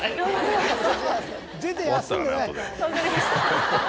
分かりました。